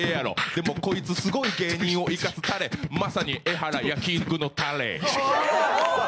でもこいつすごい芸人を生かすタレ、まさにエハラ、焼き肉のたれ。